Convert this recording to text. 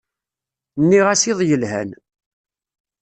Nniɣ-as iḍ yelhan.